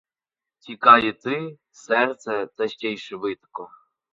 Тікай і ти, серце, та ще й швидко!